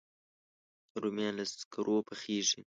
رومیان له سکرو پخېږي